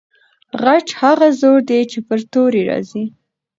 خج هغه زور دی چې پر توري راځي.